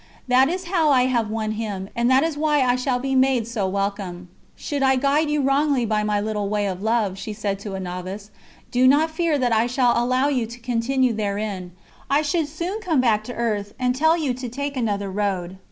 That is how I have won Him, and that is why I shall be made so welcome." "Should I guide you wrongly by my little way of love," she said to a novice, "do not fear that I shall allow you to continue therein; I should soon come back to the earth, and tell you to take another road.